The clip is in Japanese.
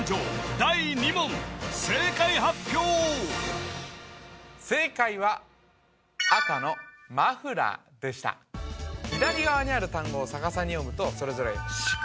第２問正解発表正解は赤のマフラーでした左側にある単語を逆さに読むとそれぞれ「しく」